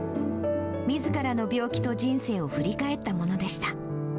みずからの病気と人生を振り返ったものでした。